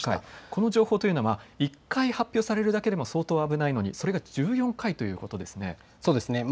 この情報というのは１回発表されるだけでも相当危ないのにそれが１４回ということですね。